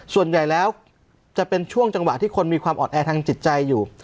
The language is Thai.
ส่วนใหญ่แล้วจะเป็นช่วงจังหวะที่คนมีความอ่อนแอทางจิตใจอยู่